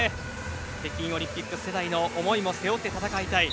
北京オリンピック世代の思いも背負って戦いたい。